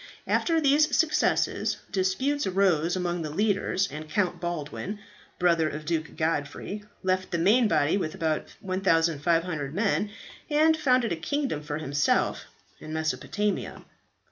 After these successes disputes arose among the leaders, and Count Baldwin, brother of Duke Godfrey, left the main body with about 1500 men, and founded a kingdom for himself in Mesopotamia.